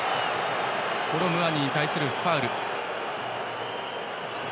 コロムアニに対するファウル。